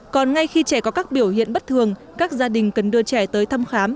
còn ngay khi trẻ có các biểu hiện bất thường các gia đình cần đưa trẻ tới thăm khám